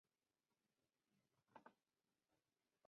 梵呗随着汉传佛教传入朝鲜半岛和日本。